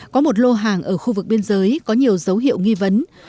có một lô hàng ở khu vực biên giới có nhiều dấu hiệu nghi vấn